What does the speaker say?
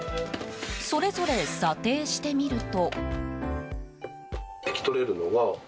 それぞれ査定してみると。